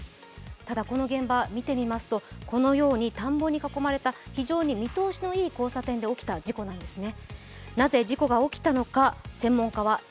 ただこの現場、見てみますとこのように田んぼに囲まれた非常に見通しのいい交差点で起きた事故なんですね。